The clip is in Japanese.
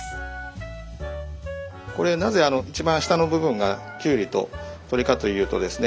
これなぜ一番下の部分がきゅうりと鶏かというとですね